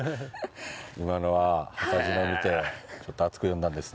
今のは幡地のを見てちょっと厚く読んだんですね。